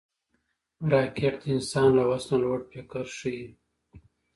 راکټ د انسان له وس نه لوړ فکر ښيي